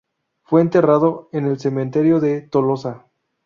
Fue enterrado en el cementerio de Tolosa.